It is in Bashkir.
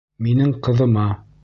Минең ҡыҙыма!..